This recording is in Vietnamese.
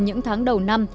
những tháng đầu năm